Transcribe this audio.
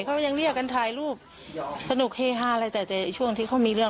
เขายังเรียกกันถ่ายรูปสนุกเฮฮาอะไรแต่แต่ช่วงที่เขามีเรื่อง